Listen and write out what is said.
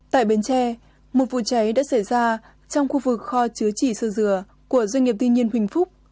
tại bến tre một vụ cháy đã xảy ra trong khu vực kho chứa chỉ sơ dừa của doanh nghiệp tư nhân huỳnh phúc